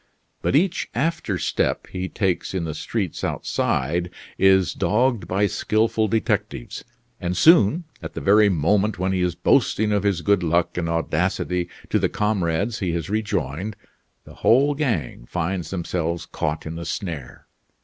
But each after step he takes in the streets outside is dogged by skilful detectives; and soon, at the very moment when he is boasting of his good luck and audacity to the comrades he has rejoined, the whole gang find themselves caught in the snare.